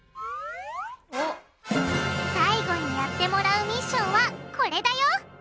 最後にやってもらうミッションはこれだよ！